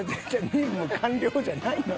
任務完了じゃないの。